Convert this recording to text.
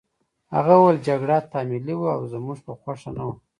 هغه وویل جګړه تحمیلي وه او زموږ په خوښه نه وه